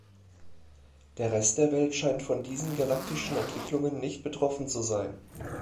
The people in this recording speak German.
Der Rest der Welt scheint von diesen galaktischen Entwicklungen nicht betroffen zu sein.